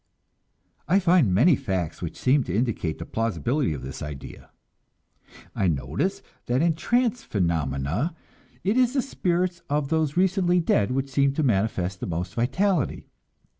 I find many facts which seem to indicate the plausibility of this idea. I notice that in trance phenomena it is the spirits of those recently dead which seem to manifest the most vitality.